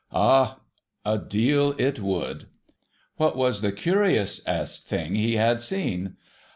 Ah ! A deal, it would. What was the curiousest thing he had seen